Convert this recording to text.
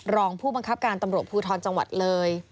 รองผู้บังคับการตำรวจภูทรจังหวัดเลย